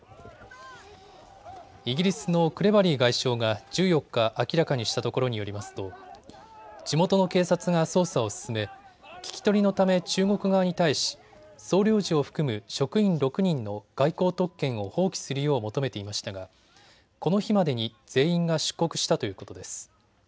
イギリスのクレバリー外相が１４日、明らかにしたところによりますと地元の警察が捜査を進め聞き取りのため中国側に対し総領事を含む職員６人の外交特権を放棄するよう求めていましたがこの日までに全員が出国したということです。